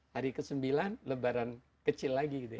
hari ke sembilan lebaran kecil lagi gitu ya